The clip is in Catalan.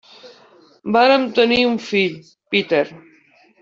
Varen tenir un fill, Peter.